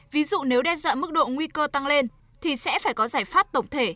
ví dụ nếu đe dọa mức độ nguy cơ tăng lên thì sẽ phải có giải pháp tổng thể